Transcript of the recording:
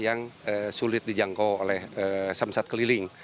yang sulit dijangkau oleh samsat keliling